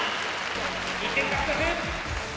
１点獲得！